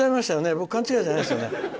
僕、勘違いじゃないですよね。